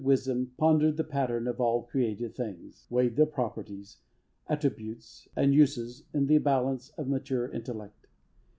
Wisdom pondered the pattern of all created things, weighed their properties, attributes and uses in the balance of mature intellect.